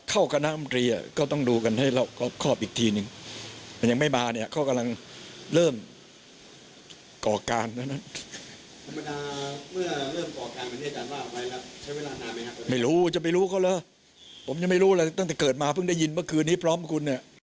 ผมยังไม่รู้เลยตั้งแต่เกิดมาเพิ่งได้ยินว่าคืนนี้พร้อมคุณ